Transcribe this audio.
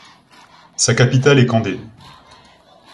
Sa capitale est Kandé.